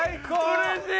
うれしい！